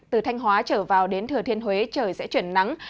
từ thanh hóa trở vào đến thừa thiên huế trời sẽ chuyển nắng